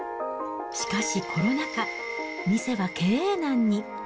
しかしコロナ禍、店は経営難に。